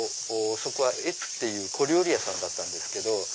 そこは「悦」っていう小料理屋さんだったんですけど。